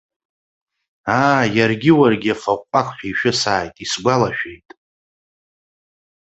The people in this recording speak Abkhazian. Аа, иаргьы уаргьы афы аҟәақ ҳәа ишәысааит, исгәалашәеит.